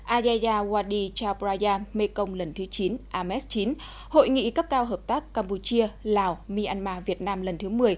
ayaya wadi chao phraya mekong lần thứ chín ames chín hội nghị cấp cao hợp tác campuchia lào myanmar việt nam lần thứ một mươi